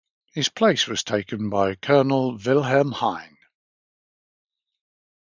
His place was taken by Colonel Wilhelm Heine.